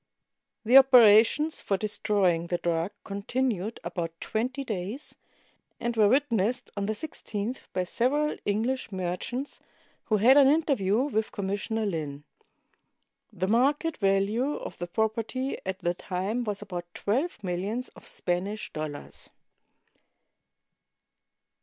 The operations for destroying the drug continued about twenty days, and were witnessed on the i6th by several English merchants, who had an interview with Commissioner Lin. The market value of the property at the time was about twelve millions of Spanish dollars.